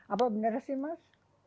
apa bener sih mas